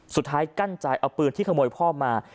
สุดท้ายกั้นใจเอาปืนที่ขโมยพ่อมา